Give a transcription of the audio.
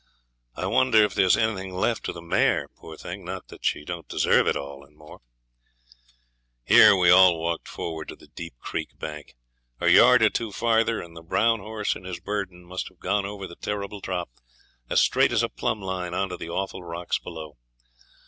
I wonder if there's anything left of the mare, poor thing; not that she don't deserve it all, and more.' Here we all walked forward to the deep creek bank. A yard or two farther and the brown horse and his burden must have gone over the terrible drop, as straight as a plumb line, on to the awful rocks below.